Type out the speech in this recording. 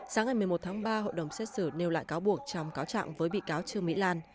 sáng ngày một mươi một tháng ba hội đồng xét xử nêu lại cáo buộc trong cáo trạng với bị cáo trương mỹ lan